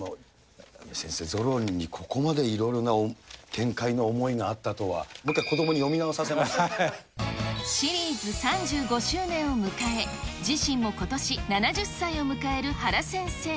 先生、ゾロリにここまでいろいろな展開の思いがあったとは、もう一回、シリーズ３５周年を迎え、自身もことし、７０歳を迎える原先生。